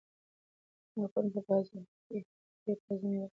ما پرون په بازار کې ډېرې تازه مېوې واخیستې.